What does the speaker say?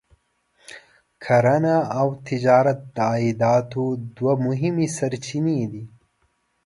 کرنه او تجارت د عایداتو دوه مهمې سرچینې دي.